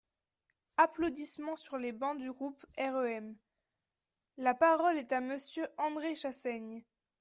(Applaudissements sur les bancs du groupe REM.) La parole est à Monsieur André Chassaigne.